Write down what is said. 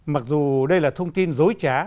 mặc dù đây là thông tin dối trá